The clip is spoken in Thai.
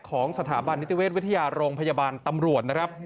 ของสถาบันนิติเวชวิทยาโรงพยาบาลตำรวจนะครับ